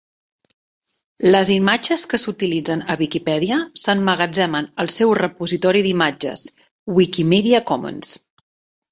Les imatges que s'utilitzen a Viquipèdia s'emmagatzemen al seu repositori d'imatges, Wikimedia Commons.